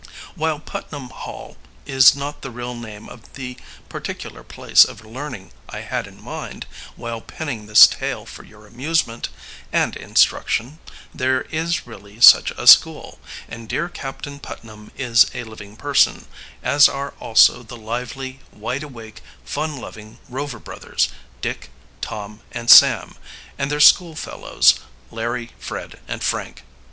While Putnam Hall is not the real name of the particular place of learning I had in mind while penning this tale for your amusement and instruction, there is really such a school, and dear Captain Putnam is a living person, as are also the lively, wide awake, fun loving Rover brothers, Dick, Tom, and Sam, and their schoolfellows, Larry, Fred, and Frank.